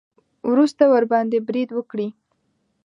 وروسته ورباندې برید وکړي.